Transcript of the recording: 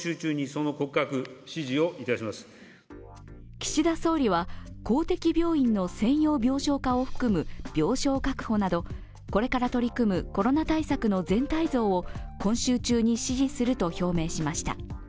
岸田総理は公的病院の専用病床化を含む病床確保などこれから取り組むコロナ対策の全体像を今週中に指示すると表明しました。